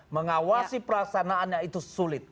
mengawasi perasaanannya itu sulit